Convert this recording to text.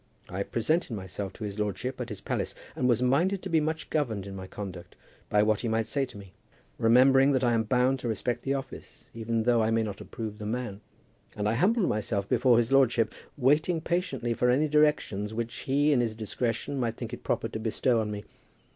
I presented myself to his lordship at his palace, and was minded to be much governed in my conduct by what he might say to me, remembering that I am bound to respect the office, even though I may not approve the man; and I humbled myself before his lordship, waiting patiently for any directions which he in his discretion might think it proper to bestow on me.